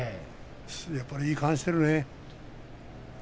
やっぱりいい勘をしているね。